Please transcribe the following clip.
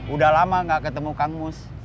udah lama gak ketemu kang mus